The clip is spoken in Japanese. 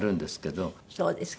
そうですか。